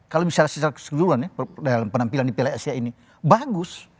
kalau misalnya secara keseluruhan ya penampilan di plsj ini bagus